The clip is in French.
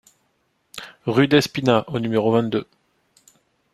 Rue Despinas au numéro vingt-deux